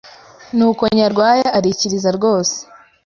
nuko nyarwaya arikiriza rwose.